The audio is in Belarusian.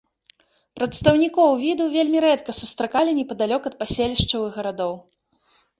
Прадстаўнікоў віду вельмі рэдка сустракалі непадалёк ад паселішчаў і гарадоў.